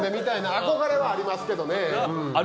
憧れはありますけどね。